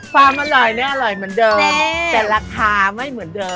ความอร่อยเนี่ยอร่อยเหมือนเดิมแต่ราคาไม่เหมือนเดิม